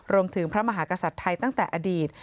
พระมหากษัตริย์ไทยตั้งแต่อดีต